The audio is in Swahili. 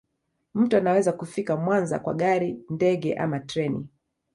Mtu anaweza kufika Mwanza kwa gari ndege ama treni